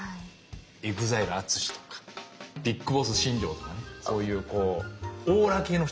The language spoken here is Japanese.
ＥＸＩＬＥＡＴＳＵＳＨＩとかＢＩＧＢＯＳＳ新庄とかねそういうこうオーラ系の人かもしんないね。